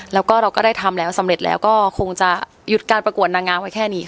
แล้วก็เราก็ได้ทำแล้วสำเร็จแล้วก็คงจะหยุดการประกวดนางงามไว้แค่นี้